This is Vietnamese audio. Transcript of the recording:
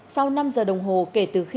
sau năm giờ đồng hồ kể từ khi